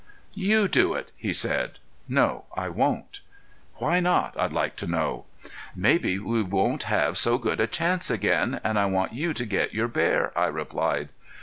"You do it," he said. "No, I won't." "Why not I'd like to know?" "Maybe we won't have so good a chance again and I want you to get your bear," I replied.